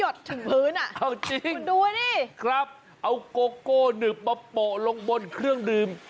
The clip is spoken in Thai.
ถึงพื้นเอาจริงเอาโกโก้หนึบมาโปะลงบนเครื่องดื่ม